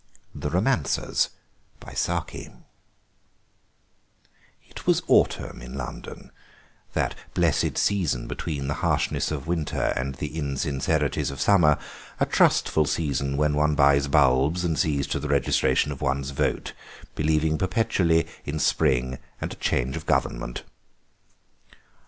THE ROMANCERS It was autumn in London, that blessed season between the harshness of winter and the insincerities of summer; a trustful season when one buys bulbs and sees to the registration of one's vote, believing perpetually in spring and a change of Government.